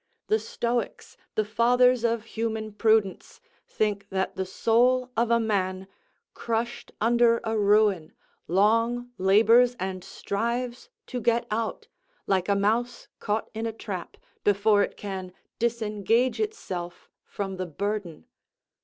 The Stoics, the fathers of human prudence, think that the soul of a man, crushed under a ruin, long labours and strives to get out, like a mouse caught in a trap, before it can disengage itself from the burden.